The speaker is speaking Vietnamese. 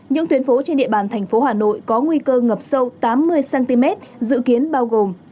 những tuyến phố trên địa bàn thành phố hà nội có nguy cơ ngập sâu tám mươi cm dự kiến bao gồm